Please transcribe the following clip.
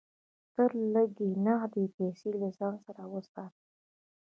تل لږ نغدې پیسې له ځان سره وساته.